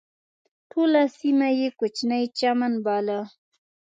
ټوله سیمه یې کوچنی چمن باله.